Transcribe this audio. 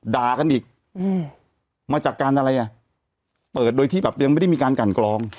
ด่ากันอีกมาจากการอะไรอ่ะเปิดโดยที่แบบยังไม่ได้มีการกันกรอง